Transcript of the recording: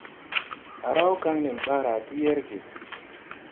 Á raw kaŋ nen ɓaara ti yɛrge.